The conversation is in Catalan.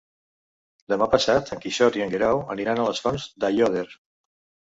Demà passat en Quixot i en Guerau aniran a les Fonts d'Aiòder.